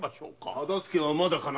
大岡はまだかな？